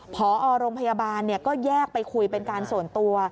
พอโรงพยาบาลก็แยกไปคุยเป็นการส่วนตัว